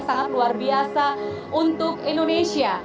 sangat luar biasa untuk indonesia